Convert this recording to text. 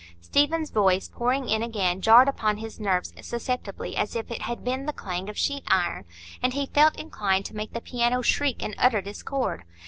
Stephen's voice, pouring in again, jarred upon his nervous susceptibility as if it had been the clang of sheet iron, and he felt inclined to make the piano shriek in utter discord.